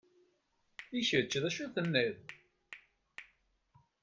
I kečč d acu tenniḍ?